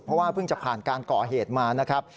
เพราะว่าเพิ่งจะผ่านการก่อเหตุมานะครับ